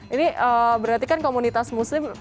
ini berarti kan komunitas muslim